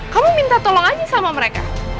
kamu minta tolong aja sama mereka